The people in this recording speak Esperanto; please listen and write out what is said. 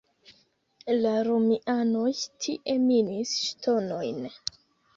La romianoj tie minis ŝtonojn.